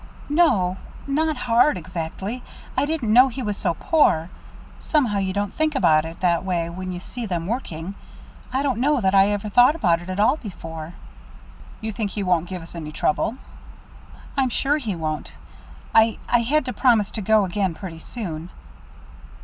"No not hard exactly. I didn't know he was so poor. Somehow you don't think about it that way when you see them working. I don't know that I ever thought about it at all before." "You think he won't give us any trouble?" "I'm sure he won't. I I had to promise I'd go again pretty soon."